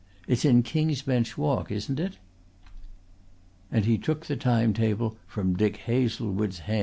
It's in King's Bench Walk, isn't it?" And he took the time table from Dick Hazlewood's hand.